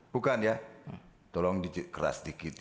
bukan ya tolong dikeras dikit